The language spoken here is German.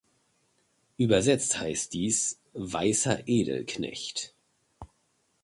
Übersetzt heißt dies "weißer Edelknecht".